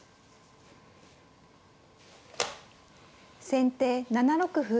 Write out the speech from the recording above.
先手７六歩。